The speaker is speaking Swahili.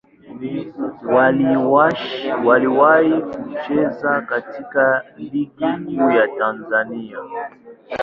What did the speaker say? Waliwahi kucheza katika Ligi Kuu ya Tanzania.